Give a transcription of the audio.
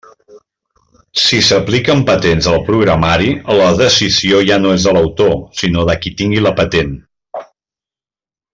Si s'apliquen patents al programari, la decisió ja no és de l'autor, sinó de qui tingui la patent.